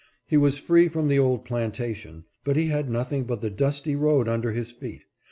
He was free from the old plantation, but he had nothing but the dusty road under his feet.